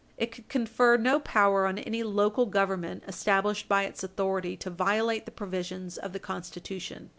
It could confer no power on any local Government established by its authority to violate the provisions of the Constitution.